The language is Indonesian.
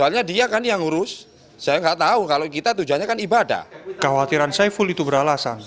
kekasihannya keperluan yang membuatnya terburu buru